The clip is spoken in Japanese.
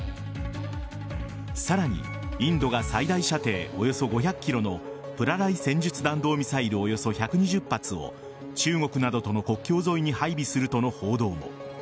さらに、インドが最大射程およそ５００ｋｍのプラライ戦術弾道ミサイルおよそ１２０発を中国などとの国境沿いに配備するとの報道も。